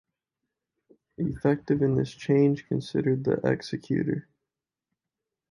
Effective in this change considered the executor.